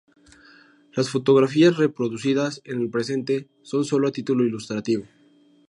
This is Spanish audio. Las fotografías reproducidas en el presente son solo a título ilustrativo.